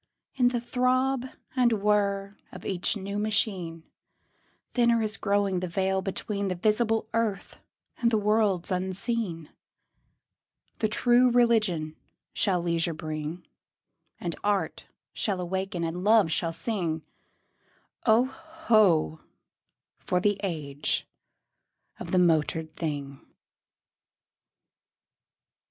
In the throb and whir of each new machine Thinner is growing the veil between The visible earth and the worlds unseen. The True Religion shall leisure bring; And Art shall awaken and Love shall sing: Oh, ho! for the age of the motored thing!